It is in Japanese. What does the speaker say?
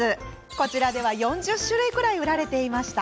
こちらでは４０種類くらい売られていました。